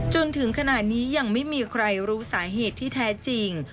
จนถึงขณะนี้ยังไม่มีใครรู้สาเหตุที่แท้จริง